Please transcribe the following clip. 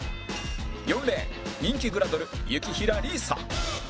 ４レーン人気グラドル雪平莉左